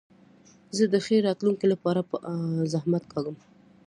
زه د ښې راتلونکي له پاره زحمت کاږم.